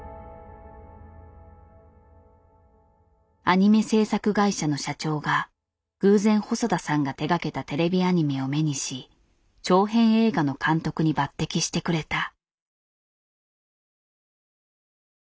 アニメ制作会社の社長が偶然細田さんが手がけたテレビアニメを目にし長編映画の監督に抜擢してくれた。